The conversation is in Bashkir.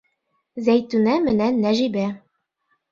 Зәйтүнә менән Нәжибә.